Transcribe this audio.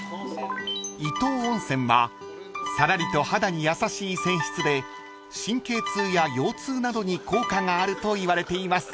［伊東温泉はさらりと肌に優しい泉質で神経痛や腰痛などに効果があるといわれています］